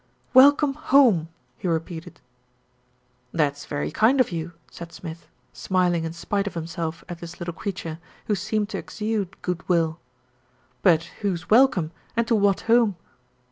"Welcome home!" he re peated. "That's very kind of you," said Smith, smiling in spite of himself at this little creature, who seemed to exude good will; "but whose welcome and to what home?"